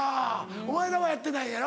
お前らはやってないねやろ？